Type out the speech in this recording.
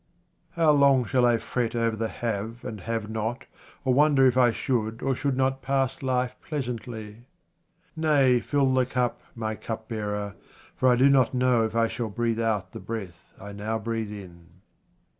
How long shall I fret over the have or have not, or wonder if I should or should not pass life pleasantly ? Nay, fill the cup, my cup 49 ^ QUATRAINS OF OMAR KHAYYAM bearer, for I do not know if I shall breathe out the breath I now breathe in.